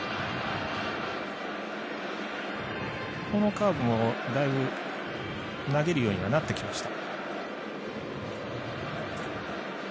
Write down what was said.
カーブもだいぶ投げるようになってきました。